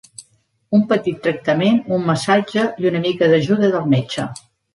Un petit tractament, un massatge i una mica d'ajuda del metge.